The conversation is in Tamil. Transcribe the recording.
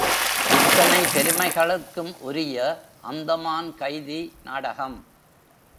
இத்தனை பெருமைகளுக்கும் உரிய அந்தமான் கைதி நாடகம்.